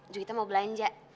juwita mau belanja